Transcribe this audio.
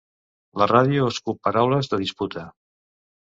La ràdio escup paraules de disputa.